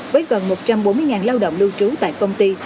với gần một trăm bốn mươi lao động lưu trú tại công ty